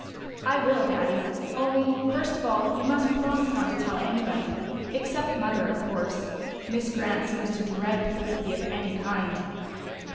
"I will, Daddy. Only, first of all, you must promise not to tell anybody except Mother, of course. Miss Grant seems to dread publicity of any kind."